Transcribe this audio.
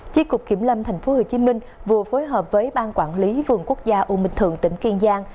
chi cục kiểm lâm tp hcm vừa phối hợp với ban quản lý vườn quốc gia u minh thượng tỉnh kiên giang